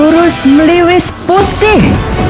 terus meliwis putih